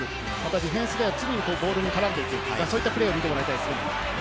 ディフェンスでは常にボール絡んでいく、そういったプレーを見てもらいたいです。